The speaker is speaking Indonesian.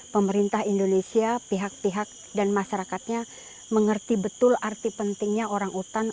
pemerintah indonesia pihak pihak dan masyarakatnya mengerti betul arti pentingnya orang utan